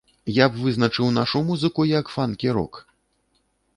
Я б вызначаў нашу музыку, як фанкі-рок.